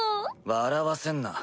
笑わせんな。